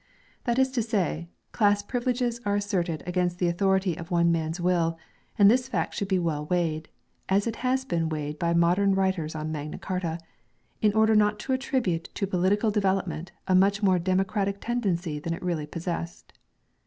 That is to say, class privileges are asserted against the authority of one man's will ; and this fact should be well weighed as it has been weighed by modern writers on Magna Carta in order not to attribute to political development a much more democratic tendency than it really possessed.